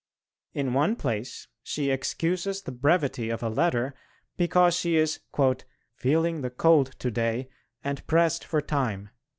In one place she excuses the brevity of a letter because she is "feeling the cold to day and pressed for time."